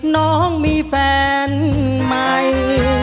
น้องมีแฟนใหม่